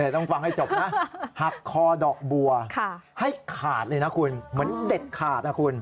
ต้องฟังให้จบนะหักคอดอกบัวให้ขาดเลยนะคุณเหมือนเด็ดขาดนะคุณ